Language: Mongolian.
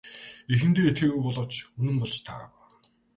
Эхэндээ итгээгүй боловч үнэн болж таарав.